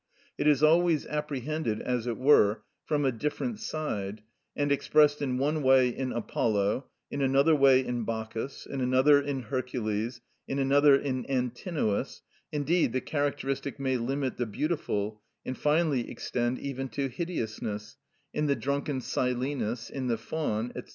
It is always apprehended, as it were, from a different side, and expressed in one way in Apollo, in another way in Bacchus, in another in Hercules, in another in Antinous; indeed the characteristic may limit the beautiful, and finally extend even to hideousness, in the drunken Silenus, in the Faun, &c.